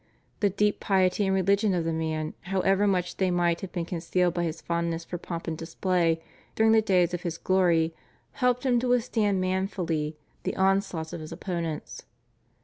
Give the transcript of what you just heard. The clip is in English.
The deep piety and religion of the man, however much they might have been concealed by his fondness for pomp and display during the days of his glory, helped him to withstand manfully the onslaughts of his opponents.